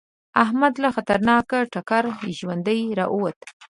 احمد له خطرناک ټکره ژوندی راووته.